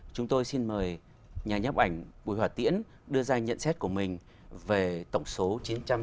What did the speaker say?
chúng tôi xin mời nhà nhóm ảnh bùi hòa tiễn đưa ra nhận xét của mình về tổng số chín trăm sáu mươi bốn tác phẩm